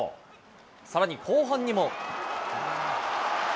さらに後半にも。